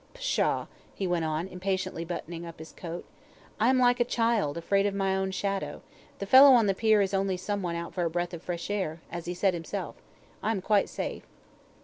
Pshaw!" he went on, impatiently buttoning up his coat. "I am like a child, afraid of my shadow the fellow on the pier is only some one out for a breath of fresh air, as he said himself I am quite safe."